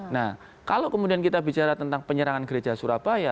nah kalau kemudian kita bicara tentang penyerangan gereja surabaya